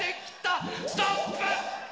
ストップ！